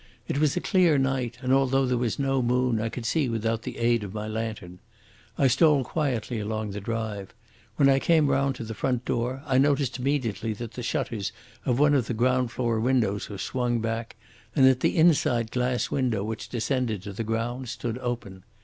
It was a clear night, and, although there was no moon, I could see without the aid of my lantern. I stole quietly along the drive. When I came round to the front door, I noticed immediately that the shutters of one of the ground floor windows were swung back, and that the inside glass window which descended to the ground stood open.